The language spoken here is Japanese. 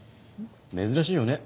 珍しいよね